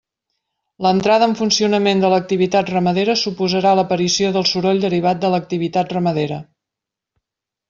L'entrada en funcionament de l'activitat ramadera suposarà l'aparició del soroll derivat de l'activitat ramadera.